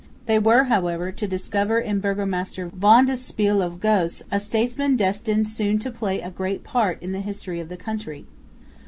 They were, however, to discover in burgomaster Van de Spiegel of Goes a statesman destined soon to play a great part in the history of the country.